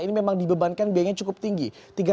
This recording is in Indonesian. ini memang dibebankan biayanya cukup tinggi